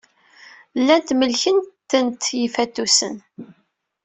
Llant melkent-tent yifatusen.